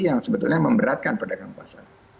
yang sebetulnya memberatkan pedagang pasar